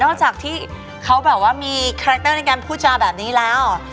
จากที่เขาแบบว่ามีคาแรคเตอร์ในการพูดจาแบบนี้แล้ว